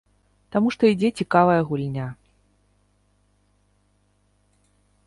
Таму што ідзе цікавая гульня.